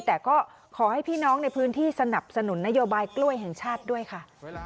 แต่ก็ขอให้พี่น้องในพื้นที่สนับสนุนนโยบายกล้วยแห่งชาติด้วยค่ะ